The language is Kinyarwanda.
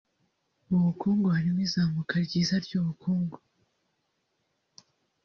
Mu bukungu harimo izamuka ryiza ry’ubukungu